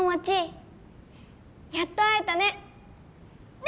やっと会えたね！